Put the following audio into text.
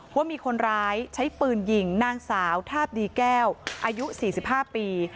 ว่ามีคนร้ายใช้ปืนยิงนางสาวทาบดีแก้วอายุ๔๕ปี